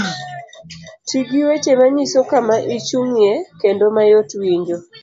Ti gi weche manyiso kama ichung'ye kendo mayot winjo.